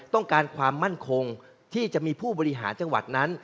ต้องการความมั่นคงที่จะมีผู้บริหารจังหวัดนั้น